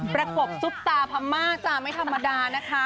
ประกบซุปตาพม่าจ้าไม่ธรรมดานะคะ